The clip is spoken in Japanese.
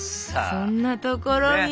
そんなところに。